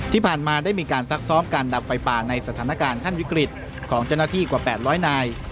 ที่ผ่านมาได้มีการซักซ้อมการดับไฟป่าในสถานการณ์ขั้นวิกฤตของเจ้าหน้าที่กว่า๘๐๐นาย